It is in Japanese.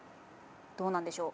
どうなんでしょう？